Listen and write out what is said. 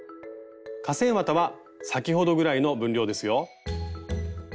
化繊綿は先ほどぐらいの分量ですよ。